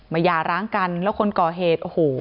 มายาร้างกันแล้วคนก่อเหตุ